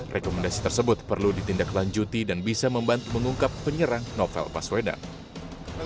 rekomendasi tersebut perlu ditindaklanjuti dan bisa membantu mengungkap penyerang novel baswedan